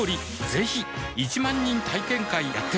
ぜひ１万人体験会やってます